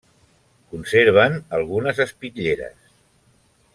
Conserven algunes espitlleres.